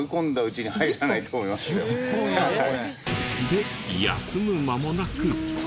で休む間もなく。